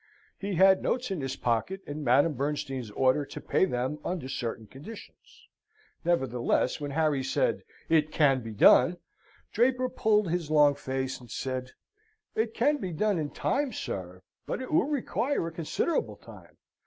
He had notes in his pocket, and Madame Bernstein's order to pay them under certain conditions: nevertheless, when Harry said, "It can be done!" Draper pulled his long face, and said, "It can be done in time, sir; but it will require a considerable time.